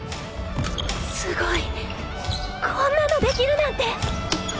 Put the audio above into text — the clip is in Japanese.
すごいこんなのできるなんて！